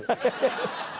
ハハハハ。